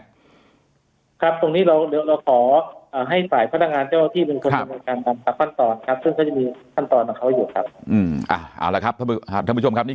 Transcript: ครับตรงนี้เดี๋ยวเราขอให้ฝ่ายพอร์ทำงานเจ้าพี่